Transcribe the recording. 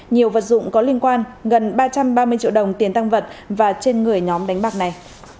nhiều vật dụng có liên quan gần ba trăm ba mươi triệu đồng tiền tăng vật và trên người nhóm đánh bạc này